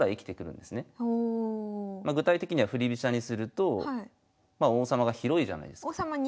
具体的には振り飛車にすると王様が広いじゃないですか。